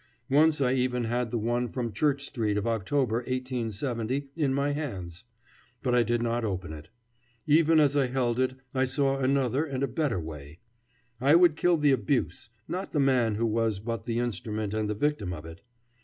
Once I even had the one from Church Street of October, 1870, in my hands; but I did not open it. Even as I held it I saw another and a better way. I would kill the abuse, not the man who was but the instrument and the victim of it.